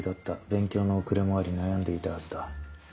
勉強の遅れもあり悩んでいたはずだ。